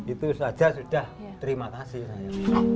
itu saja sudah terima kasih saya